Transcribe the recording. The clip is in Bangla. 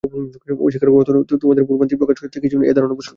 অস্বীকার করার অর্থ অতীতের ভুলভ্রান্তি থেকে শেখার কিছু নেই—এ ধারণা পোষণ করা।